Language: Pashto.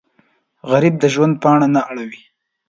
غریب د ژوند پاڼه نه اړوي